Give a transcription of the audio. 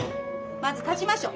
まず立ちましょう。